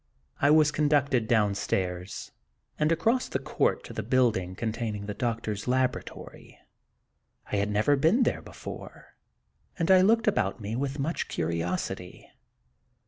I was conducted downstairs, and across the court to the building containing the doctor s laboratory, I had never been there before, and I looked about me with much curiosity.